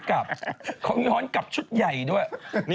เขาไม่นิ่งจริง